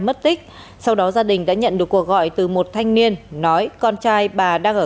mất tích sau đó gia đình đã nhận được cuộc gọi từ một thanh niên nói con trai bà đang ở